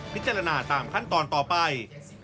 พิจารณาตามขั้นตอนต่อไป